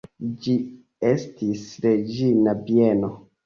Ĝi estis reĝina bieno.